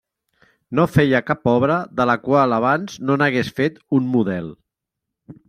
No feia cap obra de la qual abans no n'hagués fet un model.